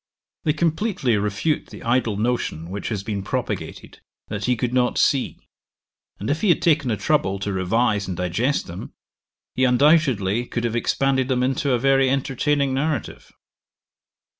They completely refute the idle notion which has been propagated, that he could not see; and, if he had taken the trouble to revise and digest them, he undoubtedly could have expanded them into a very entertaining narrative.